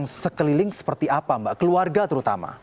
mbak esti itu ada di keliling seperti apa mbak keluarga terutama